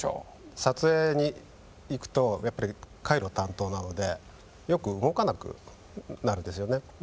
撮影に行くとやっぱり回路担当なのでよく動かなくなるんですよね。